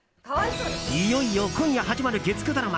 いよいよ今夜始まる月９ドラマ